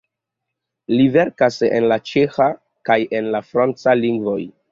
Li verkas en la ĉeĥa kaj en la franca lingvoj.